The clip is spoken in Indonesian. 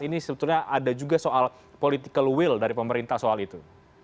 ini sebetulnya ada juga soal political will dari pemerintah soal itu